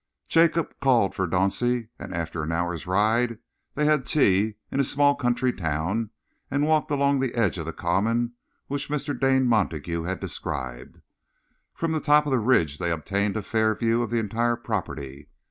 Jacob called for Dauncey, and after an hour's ride they had tea in a small country town and walked along the edge of the common which Mr. Dane Montague had described. From the top of the ridge they obtained a fair view of the entire property.